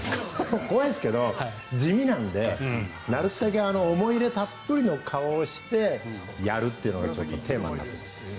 怖いんですけど地味なのでなるたけ思いたっぷりの顔をしてやるというのがテーマになっています。